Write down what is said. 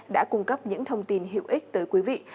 đã cung cấp những thông tin hữu ích tới quý vị